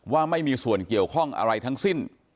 ว่าไม่มีส่วนเกี่ยวข้องอะไรทั้งสิ้น